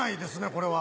これは。